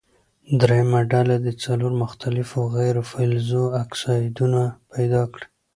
دریمه ډله دې څلور مختلفو غیر فلزونو اکسایدونه پیداکړي.